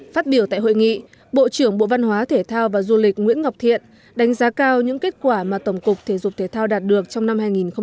phát biểu tại hội nghị bộ trưởng bộ văn hóa thể thao và du lịch nguyễn ngọc thiện đánh giá cao những kết quả mà tổng cục thể dục thể thao đạt được trong năm hai nghìn một mươi tám